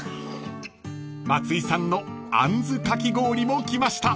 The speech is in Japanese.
［松井さんのあんずかき氷も来ました］